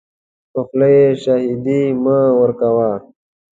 په خوله یې شاهدي مه ورکوه .